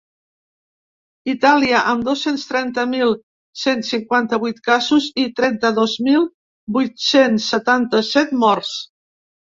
Itàlia, amb dos-cents trenta mil cent cinquanta-vuit casos i trenta-dos mil vuit-cents setanta-set morts.